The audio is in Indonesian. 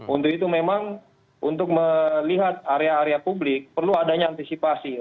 untuk itu memang untuk melihat area area publik perlu adanya antisipasi